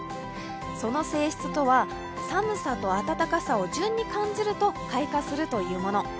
その性質とは、寒さと暖かさを順に感じると開花するというもの。